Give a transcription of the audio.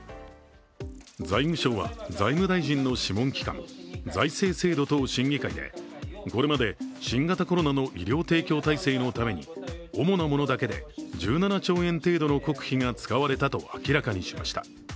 財務省は財務大臣の諮問機関、財政制度等審議会でこれまで新型コロナの医療提供体制のために主なものだけで１７兆円程度の国費が使われたと明らかにしました。